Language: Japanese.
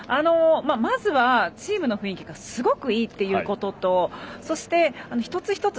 まずはチームの雰囲気がすごくいいということとそして、一つ一つ